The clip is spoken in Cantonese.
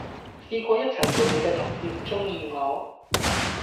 試過一齊做野既同事唔鐘意我